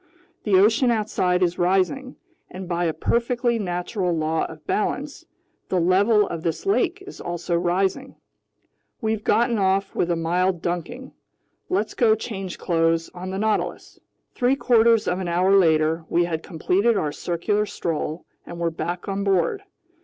The ocean outside is rising, and by a perfectly natural law of balance, the level of this lake is also rising. We've gotten off with a mild dunking. Let's go change clothes on the Nautilus." Three quarters of an hour later, we had completed our circular stroll and were back on board.